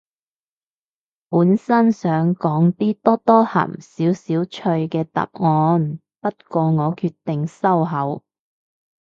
本身想講啲多多鹹少少趣嘅答案，不過我決定收口